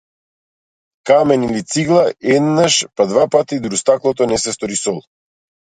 Камен или цигла, еднаш, па двапати, дури стаклото не се стори сол.